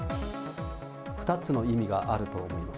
２つの意味があると思います。